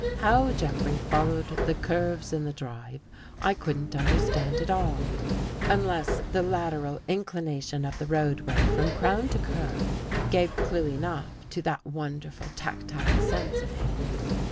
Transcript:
How Jeffrey followed the curves in the drive, I couldn't under stand at all, unless the lateral inclination of the roadway from crown to curve, gave clue enough to that wonderful tactile sense of his.